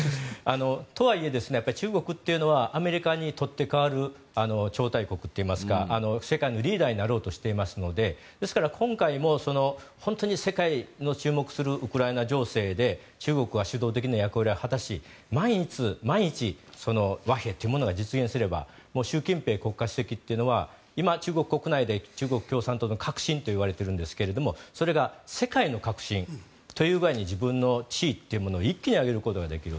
とはいえ、中国というのはアメリカに取って代わる超大国といいますか世界のリーダーになろうとしていますのでですから今回も、本当に世界の注目するウクライナ情勢で中国が主導的な役割を果たし万一、和平というものが実現すればもう習近平国家主席というのは今、中国国内で中国共産党の革新といわれているんですがそれが世界の革新というくらいに自分の地位というものを一気に上げることができる。